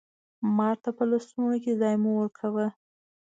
مار ته په لستوڼي کي ځای مه ورکوه!